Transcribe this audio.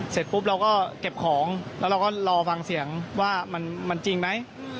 เสร็จปุ๊บเราก็เก็บของแล้วเราก็รอฟังเสียงว่ามันจริงไหม